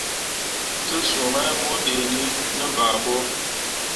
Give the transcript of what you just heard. Tesũũ mai mo dǝǝni ne vããɓo.